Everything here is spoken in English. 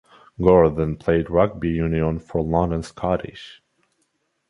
Gore then played rugby union for London Scottish.